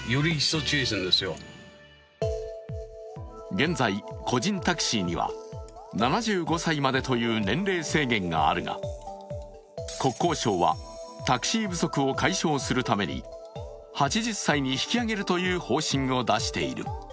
現在、個人タクシーには７５歳までという年齢制限があるが、国交省はタクシー不足を解消するために８０歳に引き上げるという方針をだしている。